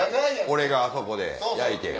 俺があそこで焼いて？